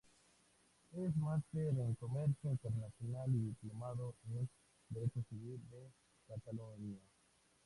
Es máster en Comercio Internacional y diplomado en Derecho Civil de Catalunya.